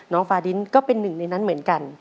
ฟาดินก็เป็นหนึ่งในนั้นเหมือนกัน